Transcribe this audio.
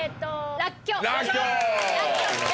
らっきょう？